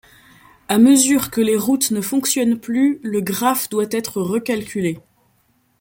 À mesure que les routes ne fonctionne plus, le graphe doit être recalculé.